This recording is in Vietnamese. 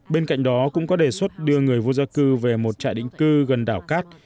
bên cạnh đó cũng có đề xuất đưa người vô gia cư về một trại định cư gần đảo cát